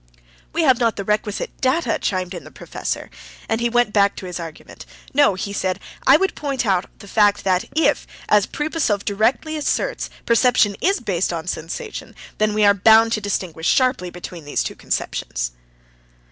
"We have not the requisite data," chimed in the professor, and he went back to his argument. "No," he said; "I would point out the fact that if, as Pripasov directly asserts, perception is based on sensation, then we are bound to distinguish sharply between these two conceptions."